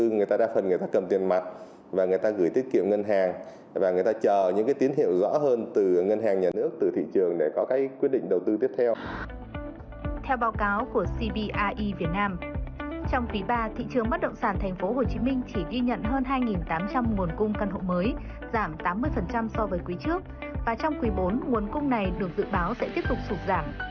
giảm tám mươi so với quý trước và trong quý bốn nguồn cung này được dự báo sẽ tiếp tục sụp giảm